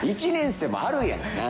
１年生もあるやん。